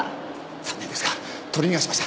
残念ですが取り逃がしました。